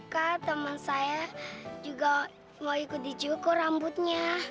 kak teman saya juga mau ikut dicukur rambutnya